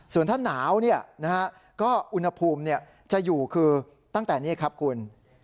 ส่วนถ้าหนาวก็อุณหภูมิจะอยู่คือตั้งแต่นี้ครับคุณ